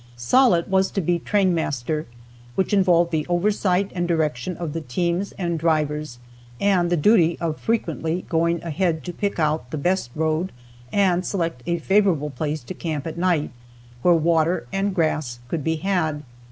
Sollitt was to be trainmaster, which involved the oversight and direction of the teams and drivers, and the duty of frequently going ahead to pick out the best road and select a favorable place to camp at night, where water and grass could be had.